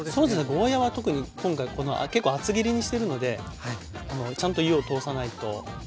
ゴーヤーは特に今回結構厚切りにしてるのでちゃんと火を通さないと苦いってなっちゃったり。